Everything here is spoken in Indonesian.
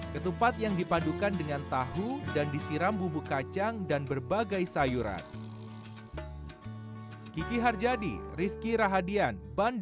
ketupat yang dipadukan dengan tahu dan disiram bumbu kacang dan berbagai sayuran